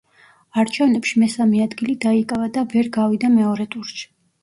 არჩევნებში მესამე ადგილი დაიკავა და ვერ გავიდა მეორე ტურში.